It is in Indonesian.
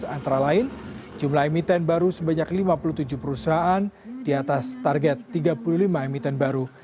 antara lain jumlah emiten baru sebanyak lima puluh tujuh perusahaan di atas target tiga puluh lima emiten baru